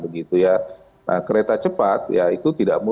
nah kereta cepat ya itu tidak mudah